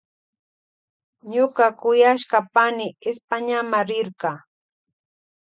Ñuka kuyashka pani Españama rirka.